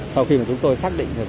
sau khi chúng tôi xác định được